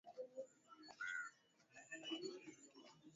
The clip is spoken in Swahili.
Alijipa cheo cha field marshall na kutengeneza